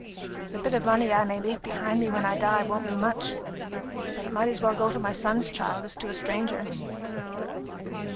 The bit of money I may leave behind me when I die won't be much; but it might as well go to my son's child as to a stranger."